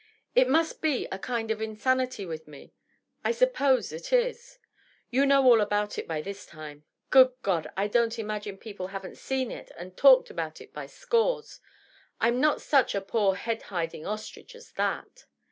It must be a kind of insanity with me ; I suppose it is. You know all about it by this time. .. Good Qod ! I don't 690 DOUGLAS DUANE. imagine people haven't seen it and talked of it by scores — I'm not such a poor head hiding ostrich as that.